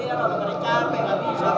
iya kalau tadi capek habis siap siap